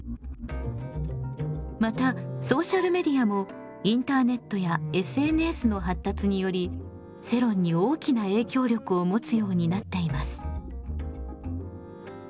またソーシャルメディアもインターネットやＳＮＳの発達により世論に大きな影響力をもつようになっています。